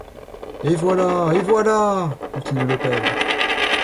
Et voilà! et voilà ! continuait le père.